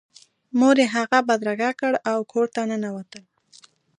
مور یې هغه بدرګه کړ او کور ته ننوتل